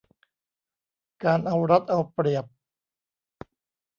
การเอารัดเอาเปรียบ